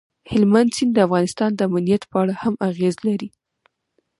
هلمند سیند د افغانستان د امنیت په اړه هم اغېز لري.